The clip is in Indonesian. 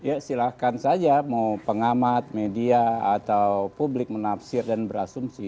ya silahkan saja mau pengamat media atau publik menafsir dan berasumsi